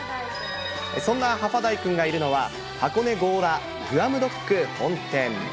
そんなハファダイくんがいるのは、箱根強羅グアムドッグ本店。